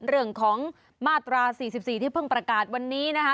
เรื่องของมาตรา๔๔ที่เพิ่งประกาศวันนี้นะคะ